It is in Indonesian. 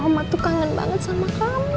om aku kangen banget sama kamu